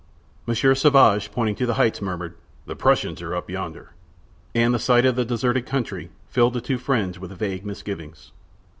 Monsieur Sauvage, pointing to the heights, murmured: "The Prussians are up yonder!" And the sight of the deserted country filled the two friends with vague misgivings.